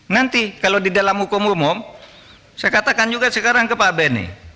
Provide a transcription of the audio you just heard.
nanti kalau di dalam hukum umum saya katakan juga sekarang ke pak benny